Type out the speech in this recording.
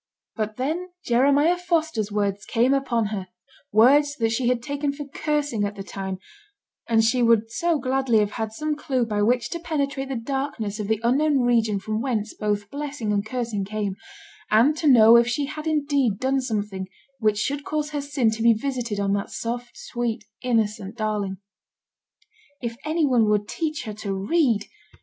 But then Jeremiah Foster's words came upon her; words that she had taken for cursing at the time; and she would so gladly have had some clue by which to penetrate the darkness of the unknown region from whence both blessing and cursing came, and to know if she had indeed done something which should cause her sin to be visited on that soft, sweet, innocent darling. If any one would teach her to read!